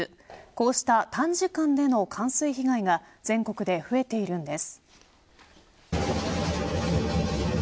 こうした短時間での冠水被害が全国で増えているんです。